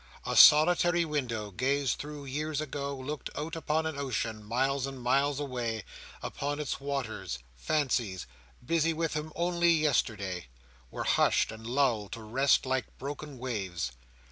A solitary window, gazed through years ago, looked out upon an ocean, miles and miles away; upon its waters, fancies, busy with him only yesterday, were hushed and lulled to rest like broken waves.